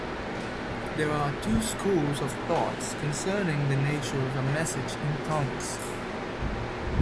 There are two schools of thoughts concerning the nature of a message in tongues.